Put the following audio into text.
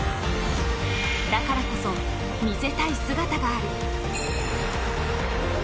だからこそ、見せたい姿がある。